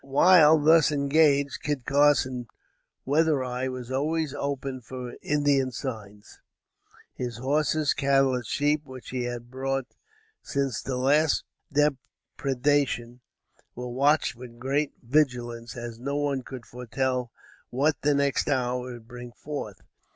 While thus engaged Kit Carson's weather eye was always open for Indian signs. His horses, cattle and sheep which he had bought since the last depredation were watched with great vigilance, as no one could foretell what the next hour would bring forth.